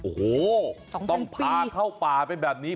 โอ้โหต้องพาเข้าป่าไปแบบนี้